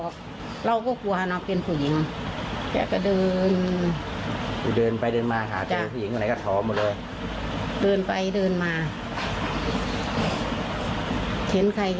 เขียนใครให้เกิดขอ